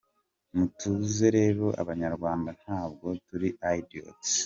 Mutuze rero abanyarwanda ntabwo turi idiots.